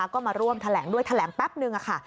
ก็มาร่วมแดดแบบนึงค่ะ